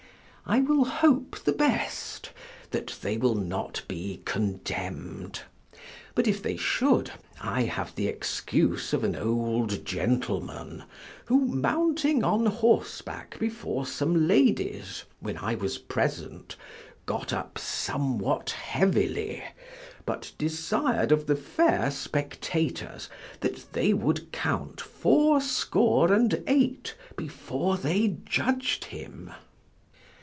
I will hope the best, that they will not be condemn'd; but if they should, I have the excuse of an old gentleman, who mounting on horseback before some ladies, when I was present, got up somewhat heavily, but desir'd of the fair spectators that they would count fourscore and eight before they judg'd him.